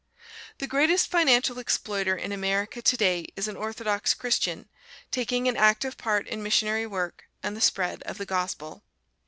The greatest financial exploiter in America today is an Orthodox Christian, taking an active part in missionary work and the spread of the Gospel.